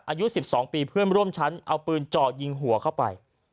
อายุ๑๒ปีเพื่อนร่วมชั้นเอาปืนเจาะยิงหัวเข้าไป